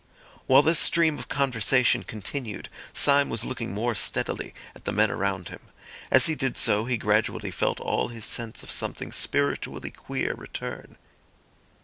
While this stream of conversation continued, Syme was looking more steadily at the men around him. As he did so, he gradually felt all his sense of something spiritually queer return.